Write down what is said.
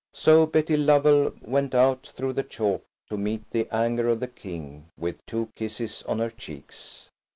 So Betty Lovell went out through the chalk to meet the anger of the King, with two kisses on her cheeks.